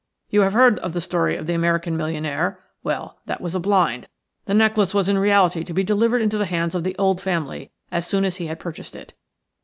You have heard the story of the American millionaire? Well, that was a blind – the necklace was in reality to be delivered into the hands of the old family as soon as he had purchased it.